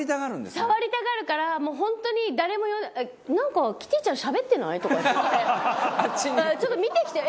藤本：触りたがるから、本当に「なんか、キティちゃんしゃべってない？」とか言って「ちょっと見てきて！